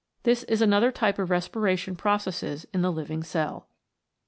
This is another type of respiration pro cesses in the living cell.